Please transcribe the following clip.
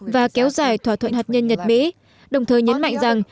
và kéo dài thỏa thuận hạt nhân nhật mỹ đồng thời nhấn mạnh rằng